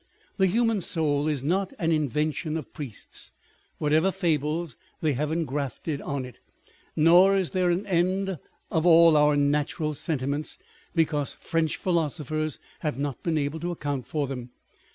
The human soul is not an invention of priests, whatever fables they have engraftqd on it ; nor is there an end of all our natural sentiments because French philosophers have not been able to account for them